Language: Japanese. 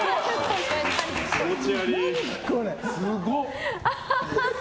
すごっ！